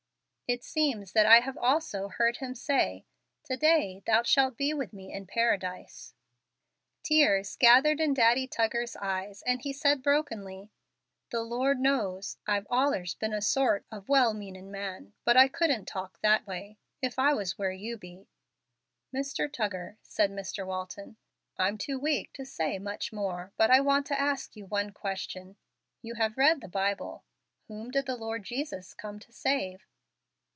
It seems that I have also heard Him say, 'To day thou shalt be with me in Paradise.'" Tears gathered in Daddy Tuggar's eyes, and he said, brokenly, "The Lord knows I've allers been a sort of well meanin' man but I couldn't talk that way if I was where you be." "Mr. Tuggar," said Mr. Walton, "I'm too weak to say much more, but I want to ask you one question. You have read the Bible. Whom did the Lord Jesus come to save?"